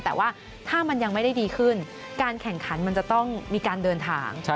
แต่ว่าถ้ามันยังไม่ได้ดีขึ้นการแข่งขันมันจะต้องมีการเดินทาง